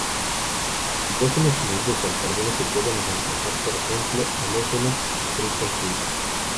Los hidrógenos unidos al carbono se pueden reemplazar por ejemplo, halógenos y grupos nitro.